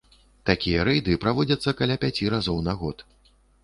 Такія рэйды праводзяцца каля пяці разоў на год.